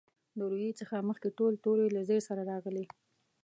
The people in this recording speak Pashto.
د روي څخه مخکې ټول توري له زېر سره راغلي.